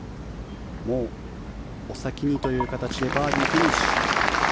お先にという形でバーディーフィニッシュ。